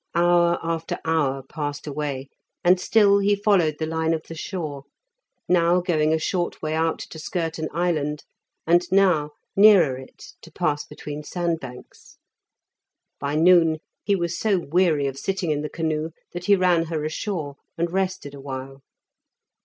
Hour after hour passed away, and still he followed the line of the shore, now going a short way out to skirt an island, and now nearer it to pass between sandbanks. By noon he was so weary of sitting in the canoe that he ran her ashore, and rested awhile.